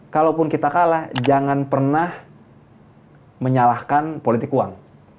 kalaupun kita kalah jangan pernah menyalahkan politik uang